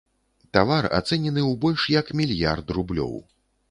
Тавар ацэнены ў больш як мільярд рублёў.